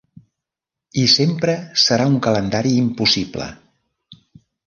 I sempre serà un calendari impossible.